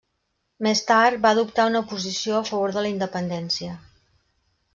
Més tard, va adoptar una posició a favor de la independència.